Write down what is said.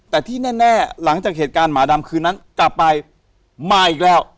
แต่ที่แน่หลังจากเหตุการณ์หมาดำคืนนั้นกลับไปมาอีกแล้ว